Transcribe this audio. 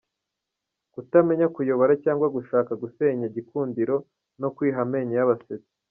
Kutamenya kuyobora cg gushaka gusenya Gikundiro no kwiha amenyo y’abasetsi .